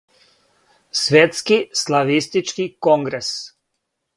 Светски славистички конгрес.